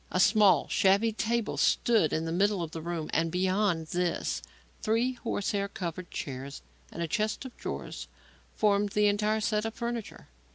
A small, shabby table stood in the middle of the room; and beyond this, three horsehair covered chairs and a chest of drawers formed the entire set of furniture.